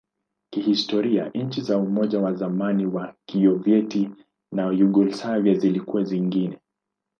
Kihistoria, nchi za Umoja wa zamani wa Kisovyeti na Yugoslavia zilikuwa zingine.